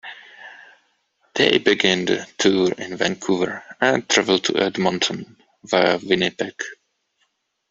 They begin the tour in Vancouver and travel to Edmonton, via Winnipeg.